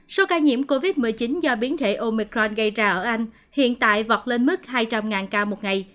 số ca nhiễm covid một mươi chín do biến thể omicron gây ra ở anh hiện tại vọt lên mức hai trăm linh ca một ngày